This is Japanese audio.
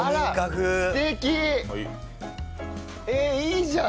いいじゃん。